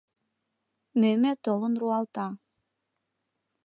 Мӧмӧ толын руалта